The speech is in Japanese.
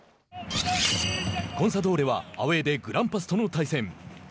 コンサドーレはアウェーでグランパスとの対戦。